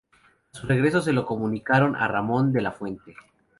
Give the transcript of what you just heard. A su regreso se lo comunicaron a Ramón de la Fuente.